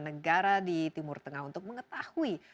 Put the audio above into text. negara di timur tengah untuk mengetahui